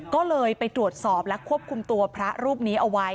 ก็เลยไปตรวจสอบและควบคุมตัวพระรูปนี้เอาไว้